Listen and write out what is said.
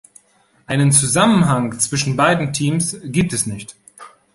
Einen Zusammenhang zwischen beiden Teams gibt es nicht.